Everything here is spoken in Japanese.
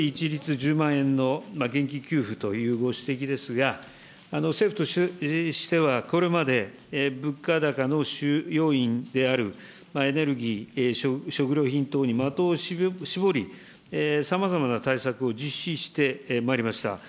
１０万円の現金給付というご指摘ですが、政府としてはこれまで、物価高の主要因であるエネルギー、食料品等に的を絞り、さまざまな対策を実施してまいりました。